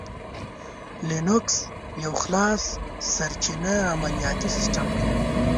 لینوکس یو خلاصسرچینه عملیاتي سیسټم دی.